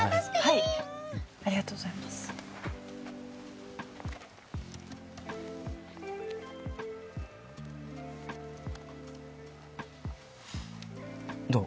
はいありがとうございますどう？